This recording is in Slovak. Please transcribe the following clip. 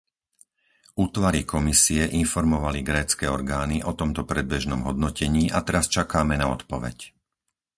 Útvary Komisie informovali grécke orgány o tomto predbežnom hodnotení a teraz čakáme na odpoveď.